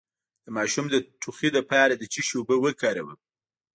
د ماشوم د ټوخي لپاره د څه شي اوبه وکاروم؟